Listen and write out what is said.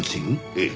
ええ。